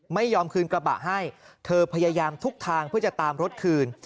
ไม่ยอมคืนกระบะให้เธอพยายามทุกทางเพื่อจะตามรถคืน